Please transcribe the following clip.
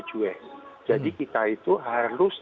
cuek jadi kita itu harus